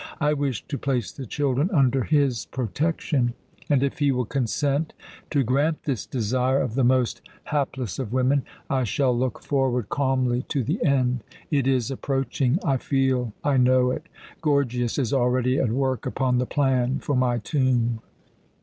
I wish to place the children under his protection and, if he will consent to grant this desire of the most hapless of women, I shall look forward calmly to the end. It is approaching! I feel, I know it! Gorgias is already at work upon the plan for my tomb."